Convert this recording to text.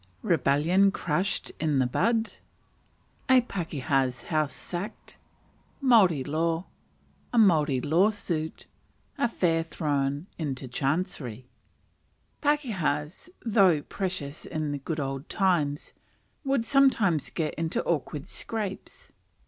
Rebellion crushed in the Bud. A Pakeha's House sacked. Maori Law. A Maori Lawsuit. Affair thrown into Chancery. Pakehas, though precious in the good old times, would sometimes get into awkward scrapes.